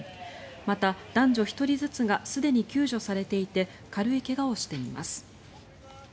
また男女１人ずつがすでに救助されていて軽い怪我をしています。